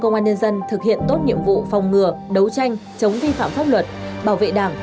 công an nhân dân thực hiện tốt nhiệm vụ phòng ngừa đấu tranh chống vi phạm pháp luật bảo vệ đảng